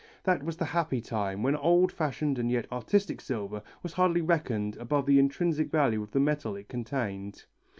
That was the happy time, when old fashioned and yet artistic silver was hardly reckoned above the intrinsic value of the metal it contained.